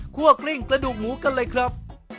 กริ้งกระดูกหมูกันเลยครับ